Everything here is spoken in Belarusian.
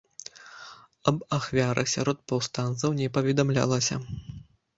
Аб ахвярах сярод паўстанцаў не паведамлялася.